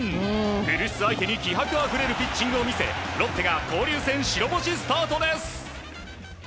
古巣相手に気迫あふれるピッチングを見せロッテが交流戦白星スタートです。